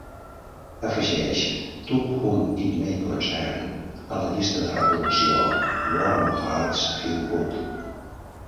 Afegeix Two whom it may concern a la llista de reproducció Warm Hearts Feel Good.